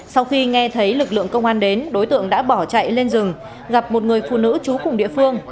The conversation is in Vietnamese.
sau khi nghe thấy lực lượng công an đến đối tượng đã bỏ chạy lên rừng gặp một người phụ nữ trú cùng địa phương